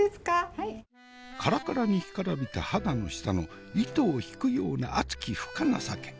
カラカラに干からびた肌の下の糸を引くような熱き深情け。